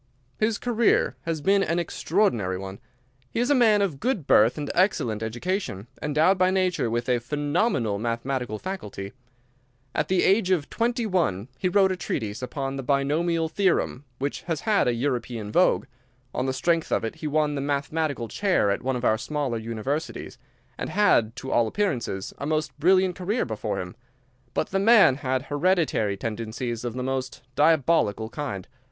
"His career has been an extraordinary one. He is a man of good birth and excellent education, endowed by nature with a phenomenal mathematical faculty. At the age of twenty one he wrote a treatise upon the Binomial Theorem, which has had a European vogue. On the strength of it he won the Mathematical Chair at one of our smaller universities, and had, to all appearances, a most brilliant career before him. But the man had hereditary tendencies of the most diabolical kind.